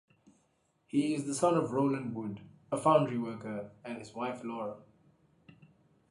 He is the son of Rowland Wood, a foundry worker, and his wife Laura.